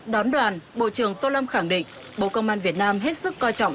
đón đoàn bộ trưởng tô lâm khẳng định bộ công an việt nam hết sức coi trọng